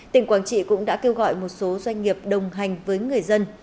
tỉnh quảng trị cũng đã kêu gọi một số doanh nghiệp đồng hành với người dân